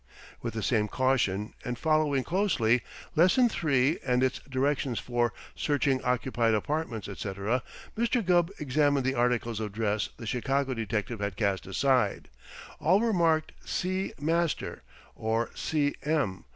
With the same caution, and following closely Lesson Three and its directions for "Searching Occupied Apartments, Etc.," Mr. Gubb examined the articles of dress the Chicago detective had cast aside. All were marked "C. Master" or "C. M."